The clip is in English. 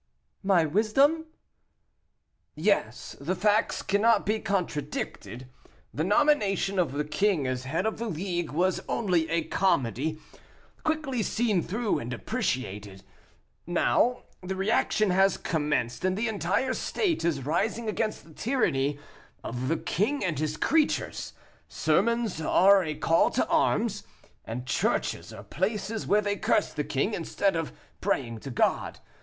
"My wisdom?" "Yes, the facts cannot be contradicted. The nomination of the king as head of the League was only a comedy, quickly seen through and appreciated. Now the reaction has commenced, and the entire state is rising against the tyranny of the king and his creatures. Sermons are a call to arms, and churches are places where they curse the king, instead of praying to God.